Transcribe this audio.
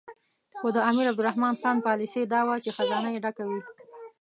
خو د امیر عبدالرحمن خان پالیسي دا وه چې خزانه یې ډکه وي.